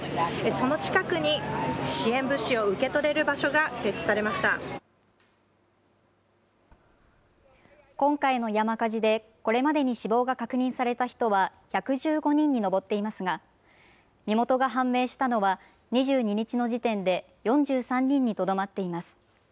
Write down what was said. その近くに支援物資を受け取れる今回の山火事で、これまでに死亡が確認された人は１１５人に上っていますが、身元が判明したのは２２日の時点で４３人にとどまっています。